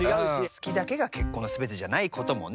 好きだけが結婚の全てじゃないこともね。